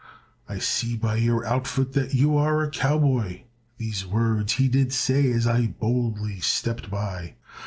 "I see by your outfit that you are a cowboy," These words he did say as I boldly stepped by.